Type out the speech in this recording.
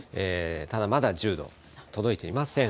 ただ、まだ１０度に届いていません。